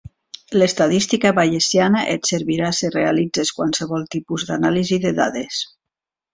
L'estadística bayesiana et servirà si realitzes qualsevol tipus d'anàlisi de dades.